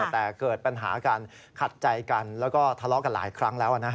แต่เกิดปัญหาการขัดใจกันแล้วก็ทะเลาะกันหลายครั้งแล้ว